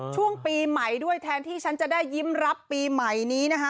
ช่วงปีใหม่ด้วยแทนที่ฉันจะได้ยิ้มรับปีใหม่นี้นะคะ